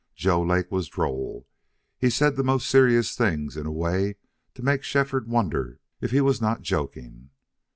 Joe Lake was droll; he said the most serious things in a way to make Shefford wonder if he was not joking.